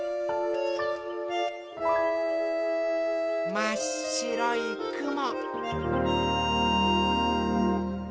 まっしろいくも。